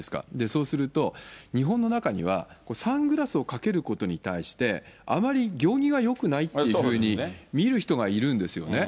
そうすると、日本の中にはサングラスをかけることに対して、あまり行儀がよくないっていうふうに見る人がいるんですよね。